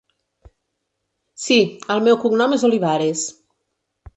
Sí, el meu cognom és Olivares.